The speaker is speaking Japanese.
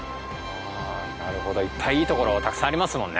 あなるほどいっぱいいい所たくさんありますもんね